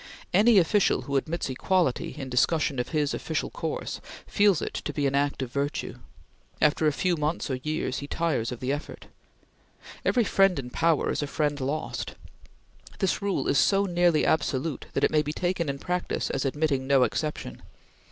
Any official who admits equality in discussion of his official course, feels it to be an act of virtue; after a few months or years he tires of the effort. Every friend in power is a friend lost. This rule is so nearly absolute that it may be taken in practice as admitting no exception.